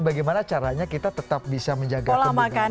bagaimana caranya kita tetap bisa menjaga kemungkinan